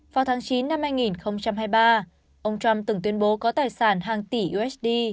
vào tháng chín năm hai nghìn hai mươi ba ông trump từng tuyên bố có tài sản hàng tỷ usd